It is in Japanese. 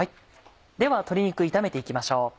では鶏肉炒めて行きましょう。